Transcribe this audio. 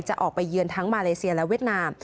จะออกไปเยือนทั้งมาเลเซียและเวียดนาม